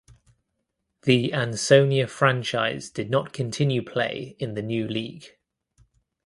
The Ansonia franchise did not continue play in the new league.